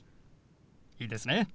いいですね。